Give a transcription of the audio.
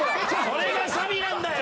それがサビなんだよ！